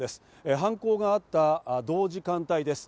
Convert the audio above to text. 犯行があった同時間帯です。